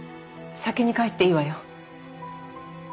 先に帰っていいわよ。